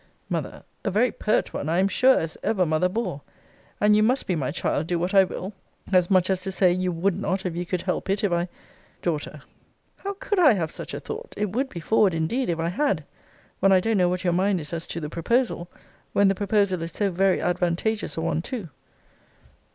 M. A very pert one, I am sure, as ever mother bore! And you must be my child, do what I will! as much as to say, you would not, if you could help it, if I D. How could I have such a thought! It would be forward, indeed, if I had when I don't know what your mind is as to the proposal: when the proposal is so very advantageous a one too.